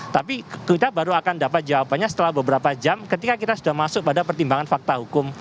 tapi kita baru akan dapat jawabannya setelah beberapa jam ketika kita sudah masuk pada pertimbangan fakta hukum